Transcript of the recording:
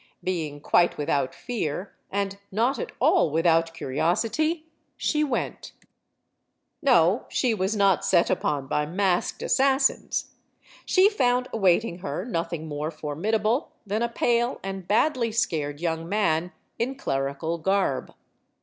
Being quite without fear, and not at all without curiosity, she went. No, she was not set upon by masked assassins. She found awaiting her nothing more formidable than a pale and badly scared young man in clerical garb.